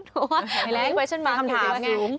เพราะว่าไทยแลนด์เป็นคำถามสูง